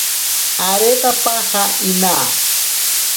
Aretapaja inaa.